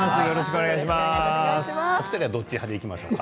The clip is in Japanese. お二人はどっちでいきましょうか。